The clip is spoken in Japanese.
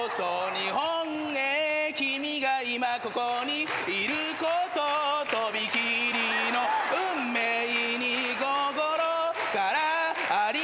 日本へ君が今ここにいること」「とびきりの運命に心からありがとう」